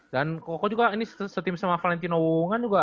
dan kok kok juga ini setim sama valentino wungan juga